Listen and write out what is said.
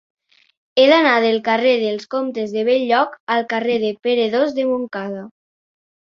He d'anar del carrer dels Comtes de Bell-lloc al carrer de Pere II de Montcada.